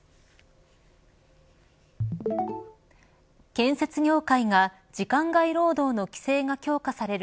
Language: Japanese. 建設業界が時間外労働の規制が強化される